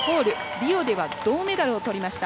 リオでは銅メダルをとりました。